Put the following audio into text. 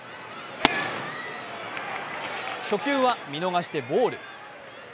初球は見逃してボール。